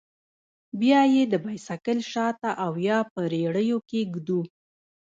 بيا يې د بايسېکل شاته او يا په رېړيو کښې ږدو.